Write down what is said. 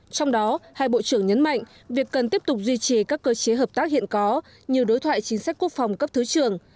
trong đó hai bộ trưởng nhấn mạnh việc cần tiếp tục duy trì các cơ chế hợp tác hiện có như đối thoại chính sách quốc phòng cấp thứ trưởng